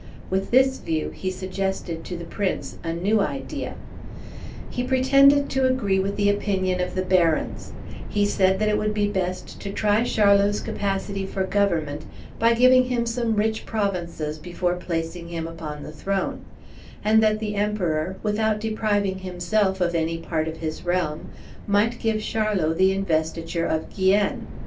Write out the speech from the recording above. With this view he suggested to the prince a new idea. He pretended to agree with the opinion of the barons; he said that it would be best to try Charlot's capacity for government by giving him some rich provinces before placing him upon the throne; and that the Emperor, without depriving himself of any part of his realm, might give Charlot the investiture of Guienne.